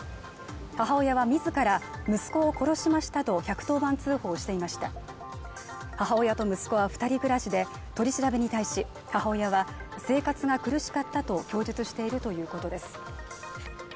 母親は自ら息子を殺しましたと１１０番通報していました母親と息子は二人暮らしで取り調べに対し母親は生活が苦しかったと供述しているということです